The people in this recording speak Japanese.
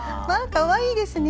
かわいいですね。